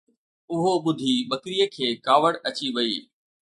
اهو ٻڌي ٻڪريءَ کي ڪاوڙ اچي وئي